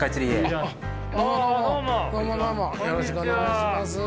よろしくお願いします。